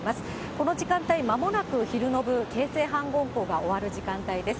この時間帯、まもなく昼の部、傾城反魂香が終わる時間帯です。